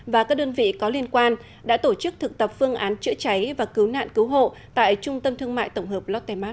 và các đơn vị có liên quan đã tổ chức thực tập phương án chữa cháy và cứu nạn cứu hộ tại trung tâm thương mại tổng hợp lotte mark